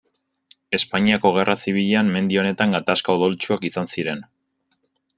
Espainiako Gerra Zibilean mendi honetan gatazka odoltsuak izan ziren.